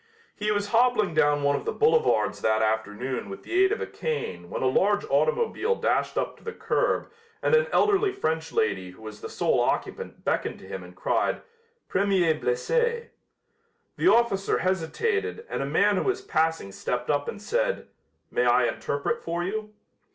He was hobbling down one of the boulevards that afternoon with the aid of a cane when a large automobile dashed up to the curb and an elderly French lady who was the sole occupant beckoned to him and cried: "Premier blessé." The officer hesitated and a man who was passing stepped up and said: "May I interpret for you?"